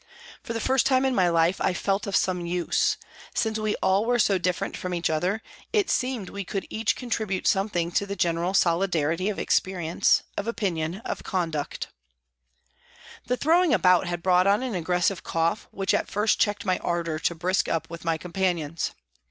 For the first time in my life I felt of some use ; since we all were so different from each other, it seemed we could each contribute something to the general solidarity of experience, of opinion, of conduct. DEPUTATION TO PRIME MINISTER 51 The throwing about had brought on an aggressive cough which at first checked my ardour to brisk up with my companions.